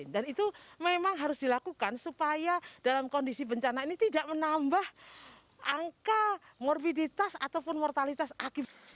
dan itu memang harus dilakukan supaya dalam kondisi bencana ini tidak menambah angka morbiditas ataupun mortalitas akibat